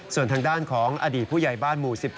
ส่วนทางด้านของอดีตผู้ใหญ่บ้านหมู่๑๗